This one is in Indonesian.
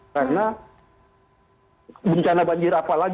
karena bencana banjir apa lagi